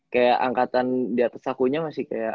kayak angkatan di atas sakunya masih kayak